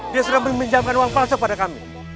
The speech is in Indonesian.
dia sudah meminjamkan uang palsu pada kami